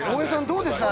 どうでした？